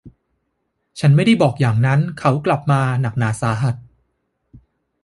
ฉันไม่ได้บอกอย่างนั้นเขากลับมาหนักหนาสาหัส